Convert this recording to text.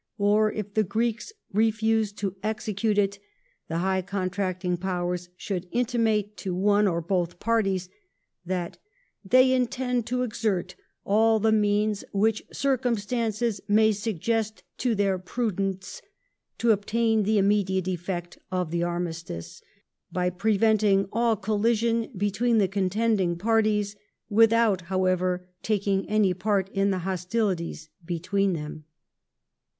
or if the Greeks refuse to execute it " the High Contracting Powei s should intimate to one or both parties that they intend j to exert all the means which circumstances may suggest to their j prudence to obtain the immediate effect of the armistice ... by I .^ preventing all collision between the contending parties ... with out, however, taking any part in the hostilities between them